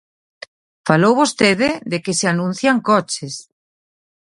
Falou vostede de que se anuncian coches.